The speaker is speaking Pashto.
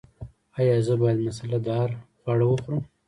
ایا زه باید مساله دار خواړه وخورم؟